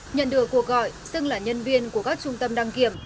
nhận được cuộc gọi xưng là nhân viên của các trung tâm đăng kiểm